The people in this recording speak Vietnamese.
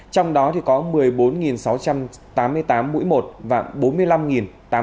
trong đó có một mươi bốn sáu trăm tám mươi tám mũi một và bốn mươi năm tám trăm năm mươi bốn mũi hai